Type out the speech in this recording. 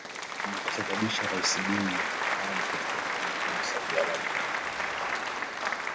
na kusabisha rais ben ali kutorokea nchini saudi arabia